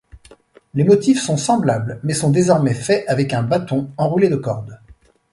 Les motifs sont semblables mais sont désormais faits avec un bâton enroulé de corde.